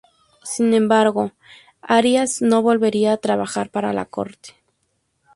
Sin embargo, Arias no volvería a trabajar para la Corte.